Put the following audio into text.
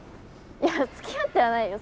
いやつきあってはないよ